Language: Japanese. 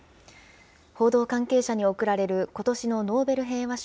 報道関係者に贈られることしのノーベル平和賞。